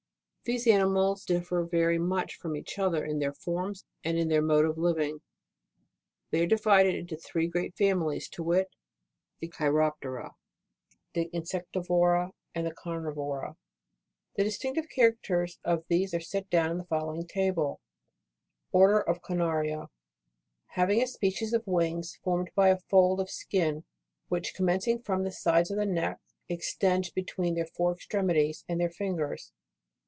4. These animals differ very much from each other in their forms and in their mode of living. They are divided into three great families, to wit ; the Cheiroptera, the Insectivora and the Carnivora, the distinctive characters of which are set down in the following table : (Families.) Having a species of wings, formed by a fold' of skin, which commencing from the sides of the neck, extends between their four extremities, and ^Cheiroptera. their fingers.